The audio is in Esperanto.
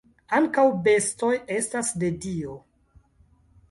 Ankaŭ bestoj estas de Dio.